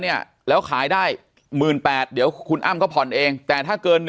เนี่ยแล้วขายได้๑๘๐๐บาทเดี๋ยวคุณอ้ำก็ผ่อนเองแต่ถ้าเกิน๑